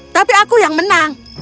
tapi aku yang menang